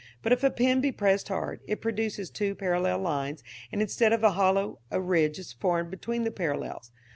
But if a pen be pressed hard, it produces two parallel lines, and, instead of a hollow, a ridge is formed between the parallels.